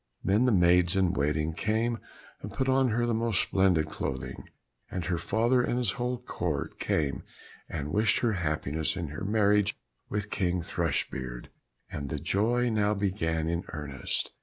Then the maids in waiting came and put on her the most splendid clothing, and her father and his whole court came and wished her happiness in her marriage with King Thrushbeard, and the joy now began in earnest.